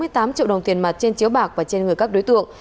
hai mươi tám triệu đồng tiền mặt trên chiếu bạc và trên người các đối tượng